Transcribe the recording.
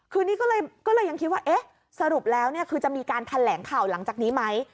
คือนี้ก็เลยยังคิดว่าสรุปแล้วจะมีการแทละข่าวหลังจากนี้มั้ย